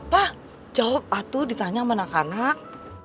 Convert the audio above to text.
pak jawab atu ditanya sama anak anak